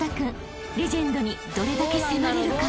［レジェンドにどれだけ迫れるか］